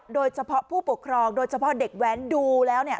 โดยเฉพาะผู้ปกครองโดยเฉพาะเด็กแว้นดูแล้วเนี่ย